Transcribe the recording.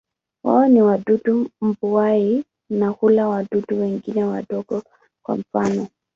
Wao ni wadudu mbuai na hula wadudu wengine wadogo, kwa mfano.